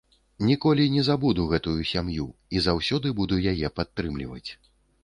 Ніколі не забуду гэтую сям'ю і заўсёды буду яе падтрымліваць.